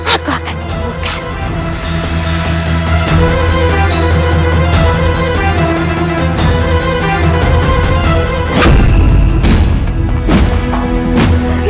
aku akan menimbulkanmu